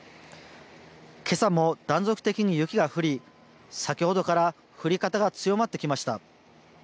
けさも断続的に雪が降り先ほどから降り方が強まってきました。